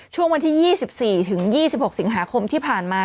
ช่วงวันที่๒๔ถึง๒๖สิงหาคมที่ผ่านมา